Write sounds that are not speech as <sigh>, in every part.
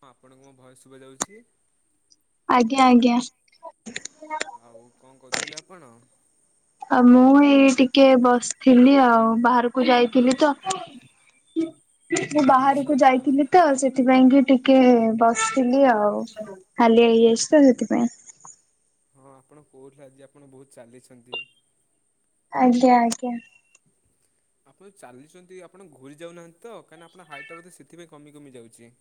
ହଁ ଆପଣଙ୍କୁ ମୋ ଭଏସ ଶୁଭା ଯାଉଛି? ଆଜ୍ଞା ଆଜ୍ଞା। ଆଉ କଣ କରୁଥିଲେ ଆପଣ? ଆଉ ମୁଁ ଏଇ ଟିକେ ବସିଥିଲି ଆଉ ବାହାରକୁ ଯାଇଥିଲି ତ। ମୁଁ ଆଚ୍ଛା ବାହାରକୁ ବାହା ଯାଇଥିଲି ତ ସେ ସେଥିପାଇଁ କି ଟିକେ ବସିଥିଲି ଆଉ ହାଲିଆ ହେଇଯାଇଛି ତ ସେଥିପାଇଁ। ହଁ ଆପଣ କହୁଥିଲେ ଆଜି ଆପଣ ବହୁତ ଚାଲିଛନ୍ତି। ଆଜ୍ଞା ଆଜ୍ଞା। ଆପଣ ଚାଲୁଛନ୍ତି ଆପଣ ଘୁରି ଯାଉନାହାନ୍ତି ତ କାହିଁକିନା ଆପଣ ହାଇଟ ଟା ବୋଧେ ସେଥିପାଇଁ କମି କମି ଯାଉଛି।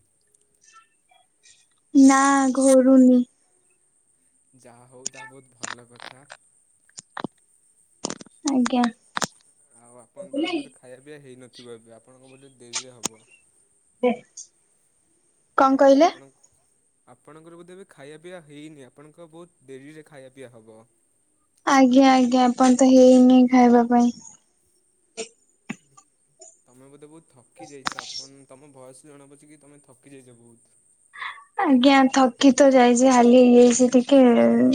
ନା ନା। ଘୁରୁନି। ଯାହା ହଉ ତାହା ବହୁତ ଭଲ କଥା। ଆଜ୍ଞା। ଆଉ ଆପଣ ତ ଏବେ ଖାଇବା ପିଇବା ହେଇନଥିବ ଏବେ ଆପଣଙ୍କ ବୋଧେ ଡେରିରେ ହବ। ୟେସ। ଆଚ୍ଛା ଆପଣଙ୍କ ଆପଣଙ୍କର ବୋଧେ ଏବେ ଖାଇବା ପିଆ ହେଇନି ଆପଣଙ୍କ ବହୁତ ଡେରିରେ ଖାଇବା ପିଆ ହବ। ଆଜ୍ଞା ଆଜ୍ଞା ଏପନ୍ତ ହେଇନି ଖାଇବା ପାଇଁ। ତମେ ବୋଧେ ବହୁତ ଥକି ଯାଇଛ ଆପଣ ତମ ଭଏସ ବି ଜଣା ପଡୁଛି କି ତମେ ଥକି ଯାଇଛ ବହୁତ। ଆଜ୍ଞା ଥକି ତ ଯାଇଛି ହାଲି ହେଇଯାଇଛି ଟିକେ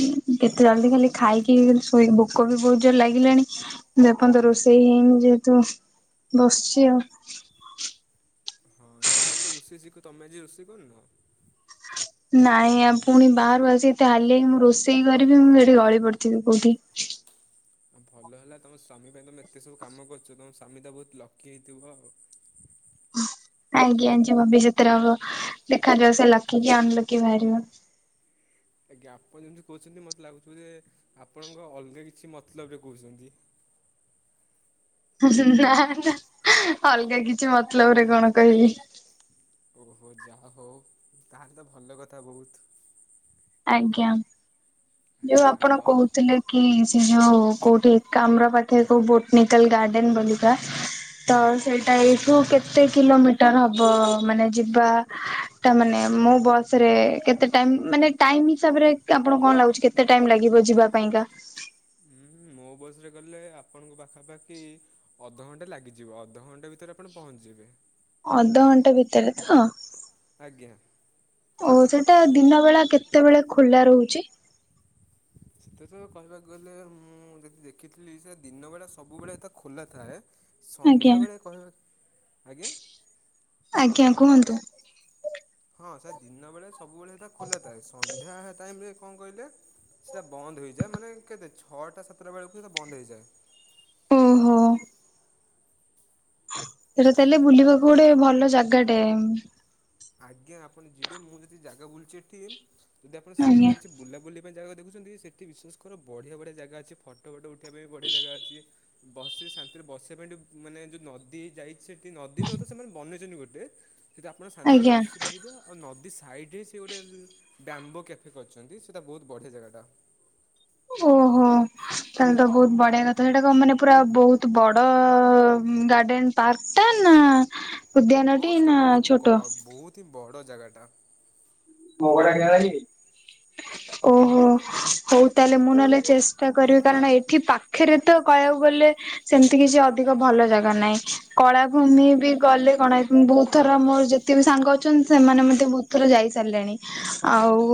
ଯେତେ ଜଲଦି ଖାଲି ଖାଇକି ଶୋଇ ଭୋକ ବି ବହୁତ ଜୋର ଲାଗିଲାଣି ଯେ ପର୍ଯ୍ୟନ୍ତ ରୋଷେଇ ହେଇନି ଯେହେତୁ। ବସିଛି ଆଉ। ହଁ ତମେ ତ ରୋଷେଇ ଶିଖ ତମେ ଆଜି ରୋଷେଇ କରୁନ? ନାଇ ଆଉ ପୁଣି ବାହାରୁ ଆସି ଏତେ ହାଲିଆ ହେଇକି ମୁଁ ରୋଷେଇ କରିବି ମୁଁ ସେଠି ଗଳି ପଡିଥିବି କୋଉଠି। ଆ ଭଲ ହେଲା ତମ ସ୍ଵାମୀ ପାଇଁ ତମେ ଏତେ ସବୁ କାମ କରୁଛ ତମ ସ୍ଵାମୀ ତ ବହୁତ ଲକି ହେଇଥିବ ଆଉ। ଆଜ୍ଞା ଯିଏ ଭବିଷ୍ୟତରେ ହବ ଦେଖାଯାଉ ସେ ଲକି କି ଅନଲକି ବାହାରିବ। ଆଜ୍ଞା ଆପଣ ଯେମିତି କହୁଛନ୍ତି ମୋତେ ଲାଗୁଛୁ ଯେ ଆପଣଙ୍କ ଅଲଗା କିଛି ମତଲବରେ କହୁଛନ୍ତି। ହୁଁ ହୁଁ ନା ନା ଅଲଗା କିଛି ମତଲବ ରେ କଣ କହିବି। ଓହୋ ଯାହା ହଉ ତାହେଲେ ତ ଭଲ କଥା ବହୁତ। ଆଜ୍ଞା ଯୋଉ ଆଜ୍ଞା ଆପଣ ଆଉ ଆପ କହୁଥିଲେ କି ସିଏ ଯୋଉ କୋଉଠି ଏକାମ୍ର ପାଖରେ କୋଉ ବୋଟନିକାଲ ଗାର୍ଡେନ ବୋଲିକା। ତ ଆ ସେଇଟା ଏଇଠୁ କେ କେତେ କିଲୋମିଟର ହବ? ମାନେ ଯିବା ଟା ମାନେ ମୋ ବସ ବସ ରେ କେତେ ଟାଇମ ମାନେ ଟାଇମ ହିସାବରେ ଆପଣ କଣ ଲାଗୁଛି କେତେ ଟାଇମ ଲାଗିବ ଯିବା ପାଇଁ କା? ଉଁ ହୁଁ ମୋ ବସରେ ଗଲେ ଆପଣଙ୍କୁ ପାଖାପାଖି। ଅଧ ଘଣ୍ଟେ ଲାଗିଯିବ ଅଧ ଘଣ୍ଟେ ଭିତରେ ଆପଣ ପହଞ୍ଚିଯିବେ। ଅଧଘଣ୍ଟା ଭିତରେ ତ? ଆଜ୍ଞା। ଆଉ ସେଟା ଦିନ ବେଳା କେତେବେଳେ ଖୋଲା ରହୁଛି? <inaudible> ସେଟା ତ କହିବାକୁ ଗଲେ ମୁଁ ଯଦି ଦେଖିଥିଲି ସେ ଦିନ ବେଳା ସବୁବେଳେ ତ ଖୋଲା ଥାଏ। ଆଜ୍ଞା। ସନ୍ଧ୍ୟାବେଳେ କହିବ ଆଜ୍ଞା। ଆଜ୍ଞା କୁହନ୍ତୁ। ହଁ ସା ଦିନବେଳେ ସବୁବେଳେ ତ ଖୋଲା ଥାଏ ସନ୍ଧ୍ୟା ଟାଇମ୍ ରେ କଣ କହିଲେ। ସେଟା ବନ୍ଦ ହେଇଯାଏ, ମାନେ କେତେ ଛଅଟା ସାତଟା ବେଳକୁ ହୁଏତ ବନ୍ଦ ହେଇଯାଏ। ଓହୋ। ସେଟା ତାହେଲେ ହଁ। ବୁଲିବାକୁ ଗୋଟେ ଭଲ ଜାଗାଟେ। ଆଜ୍ଞା ଆପଣ ଯିବେ ମୁଁ ଯେତିକି ଜାଗା ବୁଲୁଛି ହେଠି ଯଦି ଆପଣ ଆଜ୍ଞା। ସେଇଭଳିଆ କିଛି ବୁଲାବୁଲି <unintelligible> ଜାଗା ଦେଖୁଛନ୍ତି ସେଠି ବିଶ୍ୱାସ୍ କର ବଢ଼ିଆ ବଢ଼ିଆ ଜାଗା ଅଛି ଫଟୋ ଫଟୋ ଉଠେଇବା ପାଇଁ ବଢ଼ିଆ ଜାଗା ଅଛି। ବସି ଶାନ୍ତିରେ ବସିବା ପାଇଁ ଟିକେ ମାନେ ଯୋଉ ନଦୀ ଯାଇ ସେଠି ନଦୀ ନୁହଁ ତ ସେମାନେ ବନେଇଛନ୍ତି ଗୋଟେ ସେଦି ଆପଣ ଶାନ୍ତିରେ ଆଜ୍ଞା। ବସି ପାରିବେ ଆଉ ନଦୀ ସାଇଡ୍ ରେ ସେ ଗୋଟେ ବ୍ୟାମ୍ବୋ କ୍ୟାଫେ କରିଛନ୍ତି ସେତା ବୋହୁତ୍ ବଢ଼ିଆ ଜାଗାଟା। ଓହୋ। ତାହେଲେ ତ ବୋହୁତ୍ ବଢ଼ିଆ କଥା ହେଟା କ ମାନେ ପୁରା ବୋହୁତ୍ ବଡ଼ ଗାର୍ଡେନ୍ ପାର୍କ ଟା ନା ଉଦ୍ୟାନ ଟି ନା ଛୋଟ? ତି ବଡ଼ ଜାଗାଟା। ମଗଡା ଖ <inaudible> ଓହୋ ହଉ ତାହେଲେ ମୁଁ ନହେଲେ ଚେଷ୍ଟା କରିବି କାରଣ ଏଠି ପାଖରେ ତ କହିବାକୁ ଗଲେ ସେମ୍ ତି କିଛି ଅଧିକ ଭଲ ଜାଗା ନାହିଁ କଳାଭୂମି ବି ଗଲେ କଣ ଏ ବୋହୁତ୍ ଥର ମୋର ଯେ ତେ ବି ସାଙ୍ଗ ଅଛନ୍ତି ସେମାନେ ମଧ୍ୟ ବୋହୁତ୍ ଥର ଯାଇ ସାରିଲେଣି ଆଉ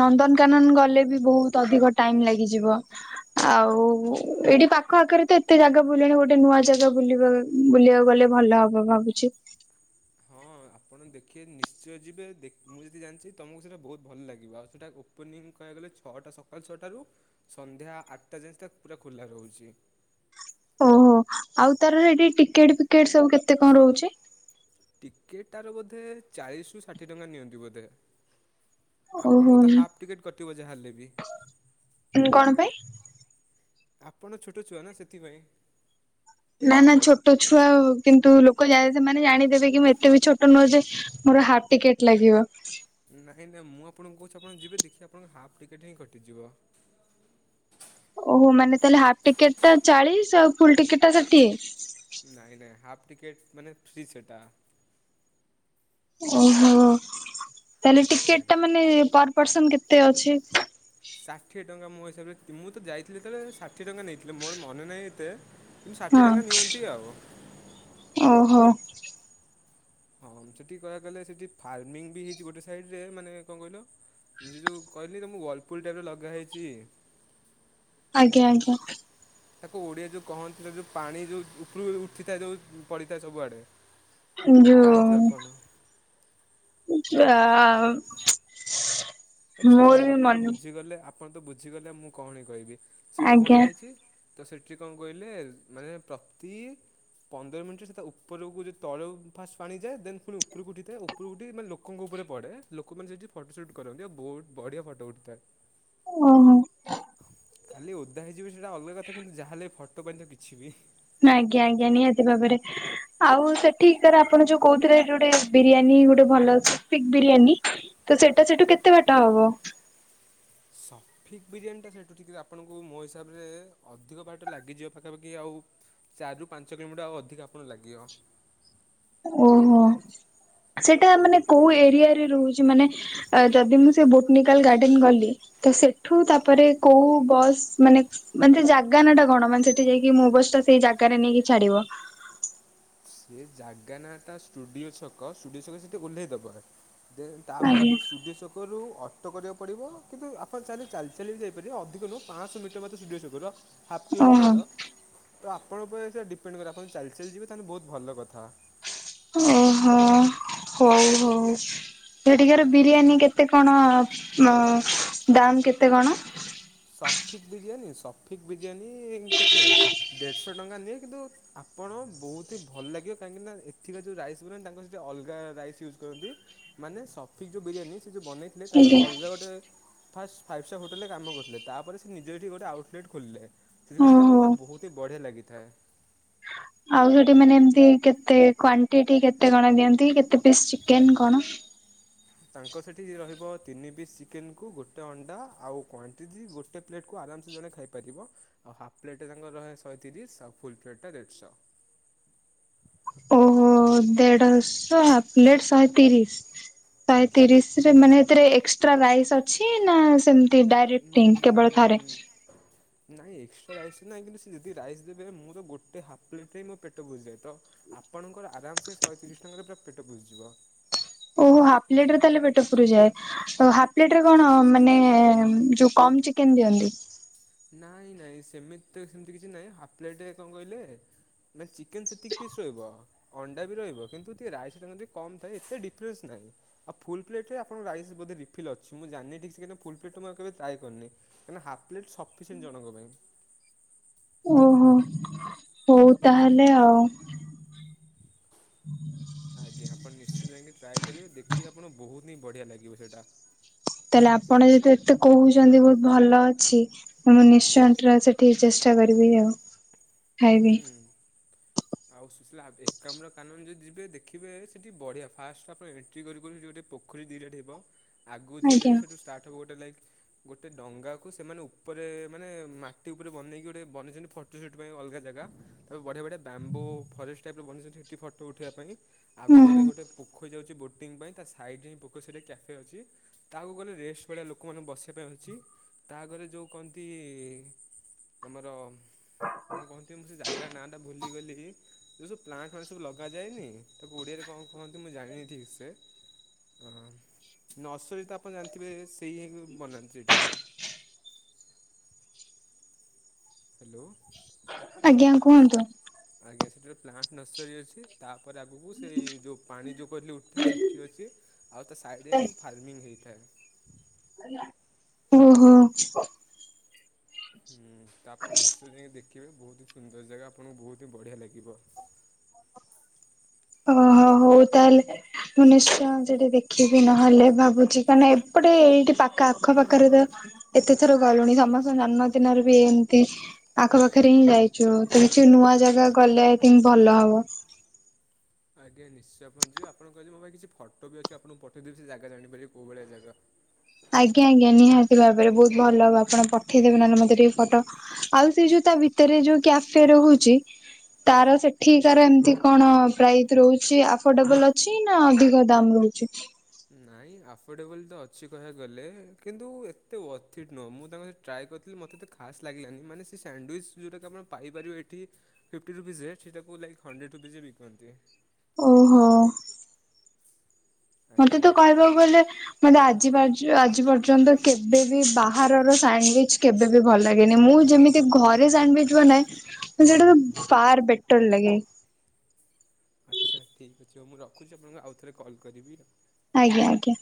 ନନ୍ଦନ୍ କାନନ୍ ଗଲେ ବି ବୋହୁତ୍ ଅଧିକ ଟାଇମ୍ ଲାଗିଯିବ। ଆଉ ଏଇଠି ପାଖ ଆଖରେ ତ ଏତେ ଜାଗା ବୁଲିଣି ଗୋଟେ ନୂଆ ଜାଗା ବୁଲିବା ବୁଲିବାକୁ ଗଲେ ଭଲ ହବ ଭାବୁଛି। ହଁ ଆପଣ ଦେଖିବେ ନିଶ୍ଚୟ ଯିବେ ଦେ ମୁଁ ଯେତିକି ଜାଣିଚି ତମକୁ ସେଇଟା ବୋହୁତ୍ ଭଲ୍ ଲାଗିବ ଆଉ ସେଟା ଓ ଓପନିଂ କହିବାକୁ ଗଲେ ଛଅଟା ସକାଳ ଛଅଟାରୁ ସନ୍ଧ୍ୟା ଆଟ୍ ଟା ଯାଏ <unintelligible> ପୁରା ଖୋଲା ରହୁଛି। ଓହୋ ଆଉ ତାର ସେଇଟି ଟିକେଟ୍ ଫିକେଟ୍ ସବୁ କେତେ କଣ ରହୁଛି? ଟିକେଟ୍ ଟାରୁ ବୋଧେ ଚାଳିଶ୍ ରୁ ଷାଠିଏ ଟଙ୍କା ନିଅନ୍ତି ବୋଧେ। ଓହୋ ଆପଣଙ୍କୁ ତ ହାପ୍ ଟିକେଟ୍ କଟିବ ଯାହେଲେ ବି। କଣ ପାଇଁ? ଆପଣ ଛୋଟ ଛୁଆ ନା ସେଥିପାଇଁ। ନା ନା ଛୋଟ ଛୁଆ କିନ୍ତୁ ଲୋକ ଯାଏ ସେମାନେ ଜାଣି ଦେବେ କି ମୁଁ ଏତେ ବି ଛୋଟ ନୁହଁ ଯେ ମୋର ହାପ୍ ଟିକେଟ ଲାଗିବ। ନାହିଁ ନାଇଁ ମୁଁ ଆପଣଙ୍କୁ କହୁଛି ଆପଣ ଯିବେ ଦେଖିବେ ଆପଣଙ୍କ ହାପ୍ ଟିକେଟ୍ ହିଁ କଟିଯିବ। ଓହୋ ମାନେ ତାହାଲେ ହାପ୍ ଟିକେଟ୍ ଟା ଚାଳିଶ୍ ଆଉ ଫୁଲ୍ ଟିକେଟ୍ ଟା ଷାଠିଏ। ନାଇଁ ନାଇଁ ହାପ୍ ଟିକେଟ୍ ମାନେ ଫ୍ରି ସେଟା। ଓହୋ ତାହାଲେ ଟିକେଟ୍ ଟା ଆଜ୍ଞା। ମାନେ ପର୍ ପର୍ସନ୍ କେତେ ଅଛି? ଷାଠିଏ ଟଙ୍କା ମୋ ହିସାବରେ ମୁଁ ତ ଯାଇଥିଲି ଯେତେବେଳେ ଷାଠିଏ ଟଙ୍କା ନେଇଥିଲେ ମୋର ମନେ ନାହିଁ ଏତେ। କିନ୍ତୁ ଷାଠିଏ ହଁ। ଟଙ୍କା ନିଅନ୍ତି ଆଉ। ଓହୋ। ହଁମ୍ ସେଠି କହିବାକୁ ଗଲେ ସେଠି ଫାର୍ମିଂ ବି ହେଇଛି ଗୋଟେ ସାଇଡ୍ ରେ ମାନେ କଣ କହିଲ? ମୁଁ ଯୋ-ଯୋଉ କହିଲି ତମକୁ ୱାଲ୍ ପୁଲ୍ ଟାଇବ୍ ର ଲଗା ହେଇଚି। ଆଜ୍ଞା ଆଜ୍ଞା। ତାକୁ ଓଡ଼ିଆ ଯୋଉ କହନ୍ତି ତାକୁ ଯୋଉ ପାଣି ଯୋଉ ଉପରୁ ଉଠିଥାଏ ଯୋଉ ପଡ଼ିଥାଏ ସବୁଆଡ଼େ। ଯୋଉ ଜାଣିଥିବେ ଆପଣ? ଯା ଏ ଛାଡ଼ନ୍ତୁ ଆପଣ ତ ବୁଝିଗଲେ ଆପଣ ତ ବୁଝିଗଲେ ଆଉ ମୁଁ କଣ ହି କହିବି ସେଇଟା ଆଜ୍ଞା ବନା ଓହୋ ହେଇଚି। ତ ସେଠି କଣ କହିଲେ ମାନେ ପ୍ରତି ପନ୍ଦର ମିଣ୍ଟିରେ ସେଇତା ଉପରକୁ ଗୁଳି ତଳକୁ ଫାଷ୍ଟ୍ ପାଣି ଯାଏ ଦେନ୍ ପୁଣି ଉପୁରୁକୁ ଉଠିଥାଏ ଉ ପୁରୁକୁଠି ମାନେ ଲୋକଙ୍କ ଉପରେ ପଡ଼େ ଲୋକମାନେ ସେଇଠି ଫଟୋ ସୁଟ୍ କରନ୍ତି ଆଉ ବୋହୁତ୍ ବଢ଼ିଆ ଫଟୋ ଉଠିଥାଏ। ଓହୋ। ଖାଲି ଓଦା ହେଇଯିବେ ସେଟା ଅଲ୍ ଗା କଥା କିନ୍ତୁ ଯାହାହେଲେ ଫଟୋ ପାଇଁ ତ କିଛି ବି। ନା ଆଜ୍ଞା ଆଜ୍ଞା ନିହାତି ଭାବରେ। ଆଉ ସେଠି କାର ଆପଣ ଯୋଉ କହୁଥିଲେ ଯୋଉଟା ବିରିୟାନୀ ଗୋଟେ ଭଲ ସ୍ଟିକ୍ ବିରିୟାନୀ। ତ ସେଟା ସେଠୁ କେତେ ବାଟ ହବ? ସ, ଫିକ୍ ବିରିୟାନୀଟା ସେଇଠୁ ଠିକ ଆପଣଙ୍କୁ ମୋ ହିସାବରେ ଅଧିକ ବାଟ ଲାଗିଯିବ ପାଖାପାଖି ଆଉ ଚାରିରୁ ପାଞ୍ଚ କିଲୋମିଟର ଆଉ ଅଧିକ ଆପଣ ଲାଗିବ। ଓହୋ ସେଇଟା ମାନେ ହଁ କୋଉ ଏରିଆରେ ରହୁଛି ମାନେ ଯଦି ମୁଁ ସେ ବୋଟନିକାଲ ଗାର୍ଡେନ ଗଲି ତ ସେଠୁ ତାପରେ କୋଉ ବସ୍ ମାନେ ମାନେ ସେ ଜାଗା ନାଁ ଟା କଣ, ମାନେ ସେଠି ଯାଇକି ମୋ ବସ୍ ଟା ସେଇ ଜାଗାରେ ନେଇକି ଛାଡିବ। ସେ ଜାଗା ନାଟା ଷ୍ଟୁଡ଼ିଓ ଛକ, ଷ୍ଟୁଡ଼ିଓ ଛକ ସେଠି ଓହ୍ଲାଇ ଦେବ। ଦେନ୍ ତାପରେ ଆଜ୍ଞା। ଆପଣ ଷ୍ଟୁଡିଓ ଛକ କରୁ ଅଟୋ କରିବାକୁ ପଡ଼ିବ। କିନ୍ତୁ ଆପଣ ଚାହିଁଲେ ଚାଲି ଚାଲିକି ବି ଯାଇପାରିବେ ଅଧିକ ନୁହଁ। ପାଶହ ମିଟର ବୋଧେ ଷ୍ଟୁଡିଓ ଛକରୁ। ହାଫ୍ କିଲୋମିଟର ଓହୋ ର, ତ ଆପଣ ଉପରେ ସେଟା ଡିପେଣ୍ଡ ଆପଣ ଯଦି ଚାଲି ଚାଲି ଯିବେ ତାହେଲେ ବହୁତ ଭଲ କଥା। ଓହୋ ହଉ ହଉ। ସେଠିକାର ବିରିୟାନୀ କେତେ କଣ ମ ଦାମ୍ କେତେ କଣ? ସଫିକ୍ ବିରିୟାନୀ, ସଫିକ୍ ବିରିୟାନୀ କେତେ ଦେଢ଼ଶହ ଟଙ୍କା ନିଏ କିନ୍ତୁ ଆପଣ ବହୁତ ହିଁ ଭଲ ଲାଗିବ। କାହିଁକିନା ଏଥିକ ଯେଉଁ ରାଇସ୍ ବନାନ୍ତି ତାଙ୍କର ସେଇଠି ଅଲଗା ରାଇସ୍ ୟୁଜ୍ କରନ୍ତି। ମାନେ ସଫିକ୍ ଯେଉଁ ବିରିୟାନୀ ସେ ଯେଉଁ ବନେଇଥିଲେ ତାଙ୍କର ଆଜ୍ଞା ଅଲଗା ଗୋଟେ ଫାଷ୍ଟ ଫାଇଭ୍ ଷ୍ଟାର୍ ହୋଟେଲ ରେ କାମ କରୁଥିଲେ। ତାପରେ ସେ ନିଜେ ଏଠି ଗୋଟେ ଆଉଟଲେଟ୍ ଖୋଲିଲେ। ସେଥିପାଇଁ ସେ ତାଙ୍କ ଓହୋ। ସହିତ ବହୁତ ହି ବଢ଼ିଆ ଲାଗିଥାଏ। ଆଉ ସେଠି ମାନେ ଏମତି କେତେ କ୍ଵାଣ୍ଟିଟି, କେତେ କଣ ଦିଅନ୍ତି, କେତେ ପିସ୍ ଚିକେନ କଣ? ତାଙ୍କ ସେଇଠି ରହିବ ତିନି ପିସ୍ ଚିକେନକୁ ଗୋଟେ ଅଣ୍ଡା ଆଉ କ୍ୱାଣ୍ଟିଟି ଗୋଟେ ପ୍ଲେଟ୍ କୁ ଆରାମସେ ଜଣେ ଖାଇ ପାରିବ ଆଉ ହାଫ୍ ପ୍ଲେଟରେ ତାଙ୍କର ରହେ ଶହେତିରିଶ ଆଉ ଫୁଲ୍ ପ୍ଲେଟ୍ ଟା ଦେଢ଼ଶହ। ଓହୋ ଦେଢଶହ ହାଫ୍ ପ୍ଲେଟ ଶହେ ତିରିଶ, ଶହେ ଆଜ୍ଞା। ତିରିଶରେ ସେମାନେ ଏଥିରେ ଏକ୍ସଟ୍ରା ରାଇସ୍ ଅଛି ନା ସେମତି ଡାଇରେକ୍ଟ ଟିମ୍ କେବଳ ଥରେ। <inaudible> ନାହିଁ ଏକ୍ସଟ୍ରା ରାଇସ୍ ନାହିଁ। କିନ୍ତୁ ସେ ଯଦି ରାଇସ୍ ଦେବେ ମୁଁ ତ ଗୋଟେ ହାଫ୍ ପ୍ଲେଟ୍ ହିଁ ମୋ ପେଟ ପୁରିଯାଏ। ତ ଆପଣଙ୍କର ଆରାମ ସେ ଶହେତିରିଶ ଟଙ୍କାରେ ପୁରା ପେଟ ପୁରିଯିବ। ଓହୋ ହାଫ୍ ପ୍ଲେଟରେ ତାହେଲେ ପେଟ ପୁରିଯାଏ। ତ ହାଫ ପ୍ଲେଟରେ କଣ ମାନେ-ଏ-ଏ-ଏ ଯୋଉ କମ୍ ଚିକେନ ଦିଅନ୍ତି। ନାଇଁ ନାଇଁ ସେମିତି ତ ସେମତି କିଛି ନାଇଁ ହାଫ୍ ପ୍ଲେଟରେ କଣ କହିଲେ ନାଇ ଚିକେନ୍ ସେତିକି ପିସ୍ ରହିବ। ଅଣ୍ଡା ବି ରହିବ କିନ୍ତୁ ଟିକେ ରାଇସଟା ଯଦି କମ ଥାଏ ଏତେ ଡିଫରେନ୍ସ ନାହିଁ। ଆଉ ଫୁଲ ପ୍ଲେଟରେ ଆପଣଙ୍କ ରାଇସ୍ ବୋଧେ ରିଫିଲ୍ ଅଛି। ମୁଁ ଜାନିନି ଠିକସେ। ଫୁଲ୍ ପ୍ଲେଟ୍ ଆଉ କେବେ ଟ୍ରାଏ କରିନି। କାରଣ ହାଫ୍ ପ୍ଲେଟ୍ ସଫିସିଏଣ୍ଟ ଜଣଙ୍କ ପାଇଁ। ଓହୋ ହଉ ତାହେଲେ ଆଉ। <inaudible> ଆଜ୍ଞା ଆପଣ ନିଶ୍ଚିତ ଯାଇକି ଟ୍ରାଏ କରିବେ। ଦେଖିବେ ଆପଣଙ୍କୁ ବହୁତିହିଁ ବଢିଆ ଲାଗିବ ସେଇଟା। ତାହେଲେ ଆପଣ ଯଦି ଏତେ କହୁଛନ୍ତି ବହୁତ ଭଲ ଅଛି ମୁଁ ନିଶ୍ଚୟ ପ୍ରାଏ ସେଠିକି ଚେଷ୍ଟା କରିବି ଆଉ ଖାଇବି ହୁଁ। ଆଉ ସୁଶିଳାଏକ୍ରାମ କାନନ ଯଦି ଯିବେ ଦେଖିବେ ସେଠି ବଢିଆ ଫାଷ୍ଟ ତାପରେ ଏଣ୍ଟ୍ରି କରୁ କରୁ ଯୋଉଠି ପୋ ପୋଖରୀ ଦୁଇ ଟା ଥିବା ଆଗକୁ ଯିବେ ଆଜ୍ଞା ସେଇଠୁ ଷ୍ଟାର୍ଟ ଗୋଟେ ଲାଇଟ୍ ଗୋଟେ ଡଙ୍ଗାକୁ ସେମାନେ ଉପରେ ମାନେ ମାଟି ଉପରେ ବନେଇକି ଗୋଟେ ବନେଇଛନ୍ତି ଫଟୋ ସୁଟ ପାଇଁ ଅଲଗା ଜାଗା ତାକୁ ବଢିଆ ବଢିଆ ବ୍ୟାମ୍ବୋ ଫରେଷ୍ଟ ଟାଇପର ବନେଇଛନ୍ତି, ସେଠି ଫଟୋ ଉଠେଇବା ପାଇଁ। ହୁଁ ଆଗକୁ ହୁଁ। ଗଲେ ଗୋଟେ ପୋଖରୀ ଯାଉଛି ବୋଟିଂ ପାଇଁ ତା ସାଇଡରେ ହିଁ ପୋକୋଶୀରିଆ କ୍ୟାଫେ ଅଛି। ତାହା ଆଗକୁ ଗଲେ ରେଷ୍ଟ ଭଳିଆ ଲୋକମାନେ ବସିବା ପାଇଁ ଅଛି। ତାଆଗରେ ଯଉ କହନ୍ତି-ଇ-ଇ-ଇ ଆମର କଣ କହନ୍ତି ମୁଁ ସେ ଜାଗା ନାଁଟା ଭୁଲିଗଲି, ଯୋଉ ସବୁ ପ୍ଲାଣ୍ଟ ମାନେ ସବୁ ଲଗାଯାଏନି। ତାକୁ ଓଡିଆରେ କଣ କହନ୍ତି ମୁଁ ଜାଣିନି ଠିକ ସେ। ହଁ ନର୍ସରୀ ତ ଆପଣ ଜାଣିଥିବେ ସେଇ ହିକ ବନାନ୍ତି ସେଇଠି ଗୋଟେ। ହ୍ୟାଲୋ, ଆଜ୍ଞା କୁହନ୍ତୁ, ଆଜ୍ଞା ସେଠି ଗୋଟେ ପ୍ଲାଣ୍ଟ ନର୍ସରୀ ଅଛି। ତାପରେ ଆଗକୁ ସେଇ ଯେଉଁ ପାଣି ଯେଉଁ କହିଲି ଉଠେ ସେଠି ଅଛି। ଆଉ ତା ସାଇଡରେ ସବୁ ଫାର୍ମିଂ ହେଇଥାଏ। ଓହୋ, ହୁଁ ତ ଆପଣ ନିଶ୍ଚୟ ଯାଇକି ଦେଖିବେ ବହୁତ ହି ସୁନ୍ଦର ଜାଗା ଆପଣଙ୍କୁ ବହୁତ ହି ବଢିଆ ଲାଗିବ। ଓହୋ ହଉ ତାହେଲେ ମୁଁ ନିଶ୍ଚୟ ସେଠି ଦେଖିବି ନହେଲେ ଭାବୁଛି କାହି ନା ଏପଟେ ଏଇଠି ପାଖ ଆଖପାଖରେ ତ କେତେ ଥର ଗଲୁଣି ସମସ୍ତଙ୍କ ଜନ୍ମଦିନରେ ବି ଏମିତି। ଆଖ ପାଖରେ ହିଁ ଯାଇଛୁ ତ କିଛି ନୂଆ ଜାଗା ଗଲେ ଆଇଥିଙ୍କ ଭଲ ହବ। ଆଜ୍ଞା ନିଶ୍ଚୟ ପହଞ୍ଚିବ ଆପଣମୋ ପାଇଁ କି ଫଟୋ ଅଛି ଆପଣଙ୍କୁ ପଠେଇ ଦେବି ସେ ଜାଗା ଜାଣିପାରିବେ କଉଭଳିଆ ଜାଗା। ଆଜ୍ଞା ଆଜ୍ଞା ନିହାତି ଭାବରେ ବହୁତ ଭଲ ହବ ଆପଣ ପଠେଇଦେବେ ନହେଲେ ମତ ଟିକେ ଫଟୋ। ଆଉ ସେ ଯୋଉ ତା ଭିତରେ ଯୋଉ କ୍ୟାଫେ ସେଡ୍‌ ହେଉଛି ତାର ସେଠିକାର ଏମିତି କଣ ପ୍ରାଇସ୍ ରହୁଛି ଆଫୋର୍ଡେବଲ୍ ଅଛି। ନା ଅଧିକ ଦାମ୍ ରହୁଛି ନାଇଁ ଆଫୋର୍ଡେବଲ୍ ତ ଅଛି କହିବାକୁ ଗଲେ କିନ୍ତୁ ଏତେ ଅଥିଟ୍ ନୁହେଁ ମୁଁ ତାଙ୍କ ଟ୍ରାଏ କରିଥିଲି ମତେ ଏତେ ଖାସ୍ ଲାଗିଲାନି ମାନେ ସେଇ ସାଣ୍ଡୱିଚ ଯୋଉଟା କି ଆପଣ ପାଇପାରିବେ ଏଠି ଫିଫ୍ଟ ରୁପିଜି ଯେ ସେଇଟାକୁ କୁାଲାକ ହଣ୍ଡ୍ରେଡ଼ ରୁପିଜେ ବିକନ୍ତି ଓ ହୋ। ମତେ ଆଜ୍ଞା ତ କହିବାକୁ ଗଲେ ମତେ ଆଜି ଆଜି ପର୍ଯ୍ୟନ୍ତ କେବେବ ବାହାରର ସାଣ୍ଡୱିଚ କେବେବି ଭଲ ଲାଗେନି ମୁଁ ଯେମିତି ସେ ଘରେ ସାଣ୍ଡୱିଚ ବନାଏ ସେଟାକୁ ଫାର ବେଟର ଲାଗେ ଆଚ୍ଛା ଠିକ୍ ଅଛି ହଉ ମୁଁ ରଖୁଛି ଆପଣଙ୍କୁ ଆଉ ଥରେ କଲ୍ କରିବି ଆଉ ଆଜ୍ଞା ଆଜ୍ଞା।